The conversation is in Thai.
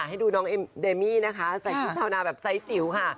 ให้ดูน้องเอ็มเดมี่นะคะใส่ชุดชาวนาแบบไซสจิ๋วค่ะ